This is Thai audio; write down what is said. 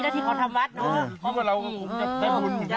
เขาก็ว่าดีแล้วที่เขาทำวัดเนอะ